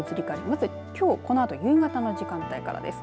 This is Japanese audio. まずきょうこのあと夕方の時間帯からです。